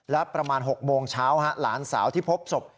และประมาณ๖โมงเช้าหลานสาวที่พบศพ